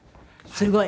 すごい。